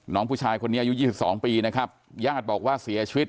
น้องผู้ชายคนนี้อายุ๒๒ปีนะครับญาติบอกว่าเสียชีวิต